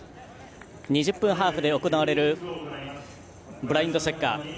２０分ハーフで行われるブラインドサッカー。